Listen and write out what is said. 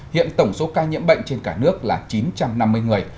hiện tổng số ca nhiễm bệnh trên cả nước là chín trăm năm mươi người